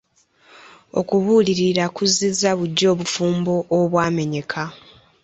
Okubuulirira kuzizza buggya obufumbo obwamenyeka.